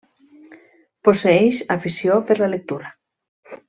Posseeix afició per la lectura.